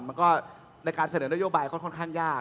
มันก็ในการเสนอนโยบายค่อนข้างยาก